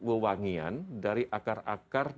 wawangian dari akar akar